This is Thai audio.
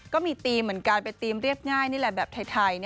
ก็มีธีมเหมือนกันเป็นธีมเรียบง่ายนี่แหละแบบไทย